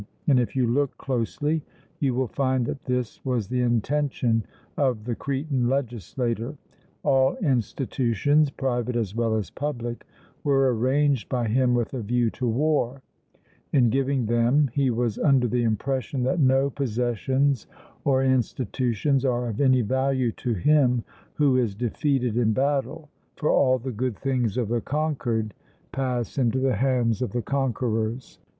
And if you look closely, you will find that this was the intention of the Cretan legislator; all institutions, private as well as public, were arranged by him with a view to war; in giving them he was under the impression that no possessions or institutions are of any value to him who is defeated in battle; for all the good things of the conquered pass into the hands of the conquerors.